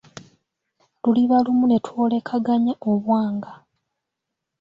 Luliba lumu ne twolekaganya obwanga.